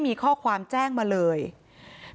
พี่สาวบอกว่าไม่ได้ไปกดยกเลิกรับสิทธิ์นี้ทำไม